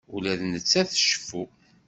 Ula d nettat tceffu.